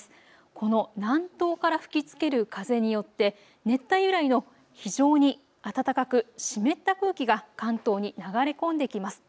この南東から吹きつける風によって熱帯由来の非常に暖かく湿った空気が関東に流れ込んできます。